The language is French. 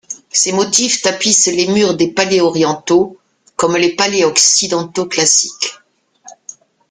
Ces motifs tapissent les murs des palais orientaux, comme les palais occidentaux classiques.